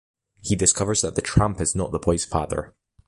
He discovers that the Tramp is not the boy's father.